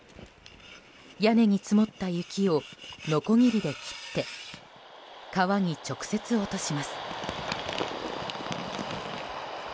屋根に積もった雪をのこぎりで切って川に直接落とします。